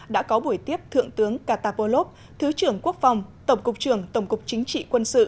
đã có buổi tiếp thượng tướng katapolov thứ trưởng quốc phòng tổng cục trưởng tổng cục chính trị quân sự